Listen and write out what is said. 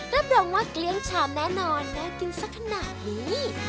รับรองว่าเกลี้ยงชามแน่นอนน่ากินสักขนาดนี้